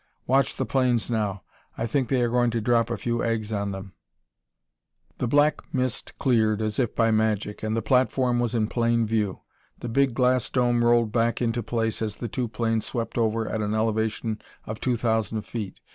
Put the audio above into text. Watch the planes, now. I think they are going to drop a few eggs on them." The black mist cleared as if by magic and the platform was in plain view. The big glass dome rolled back into place as the two planes swept over at an elevation of two thousand feet.